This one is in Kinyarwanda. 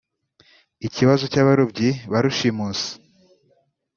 Ikibazo cy’abarobyi ba rushimusi